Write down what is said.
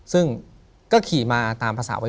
ถูกต้องไหมครับถูกต้องไหมครับ